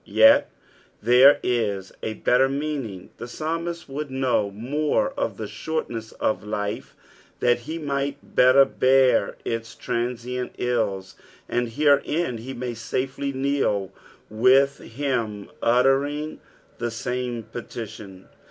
Yet, there is a better meaning : the psalmist would know more of the shortness of life, that he might better bear its transient ills, and herein we may safely kneel with him, uttering the same petition.